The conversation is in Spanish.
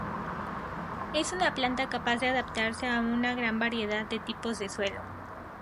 Es una planta capaz de adaptarse a una gran variedad de tipos de suelo.